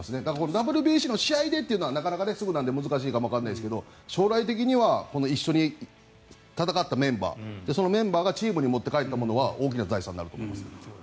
ＷＢＣの試合でというのはなかなかすぐなので難しいかもわからないですが将来的には一緒に戦ったメンバーそのメンバーがチームに持って帰ったものは大きな財産になると思います。